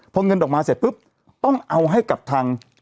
พอเงินออกมาเสร็จปุ๊บต้องเอาให้กับทาง